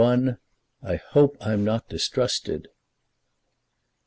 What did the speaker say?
"I HOPE I'M NOT DISTRUSTED."